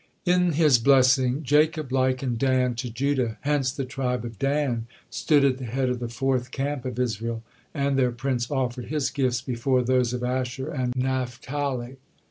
In his blessing Jacob likened Dan to Judah, hence the tribe of Dan stood at the head of the fourth camp of Israel, and their prince offered his gifts before those of Asher and Naphtali.